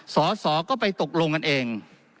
สอสอก็ไปตกลงกันเอง